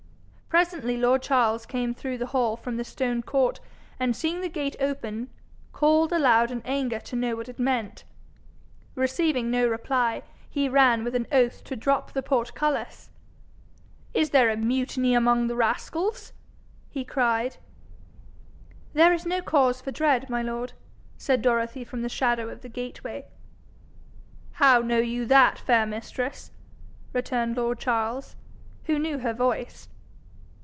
Presently lord Charles came through the hall from the stone court, and seeing the gate open, called aloud in anger to know what it meant. Receiving no reply, he ran with an oath to drop the portcullis. 'Is there a mutiny amongst the rascals?' he cried. 'There is no cause for dread, my lord,' said Dorothy from the shadow of the gateway. 'How know you that, fair mistress?' returned lord Charles, who knew her voice.